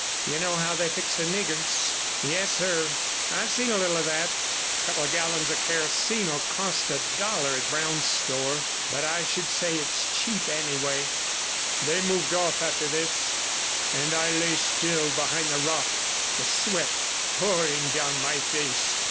You know how they fix the niggers?' 'Yes, sir, I've seen a little of that. A couple of gallons of kerosene '11 cost a dollar at Brown's store, but I should say it's cheap anyway.' They moved off after this, and I lay still behind the rock, the sweat pouring down my face.